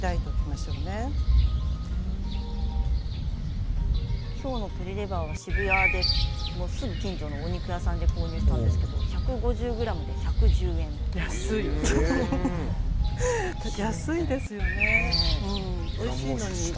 きょうの鶏レバーは渋谷で近所のお肉屋さんで購入したんですけど安いですよねおいしいのに。